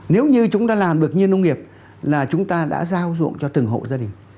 nếu như chúng ta làm được như nông nghiệp là chúng ta đã giao dụng cho từng hộ gia đình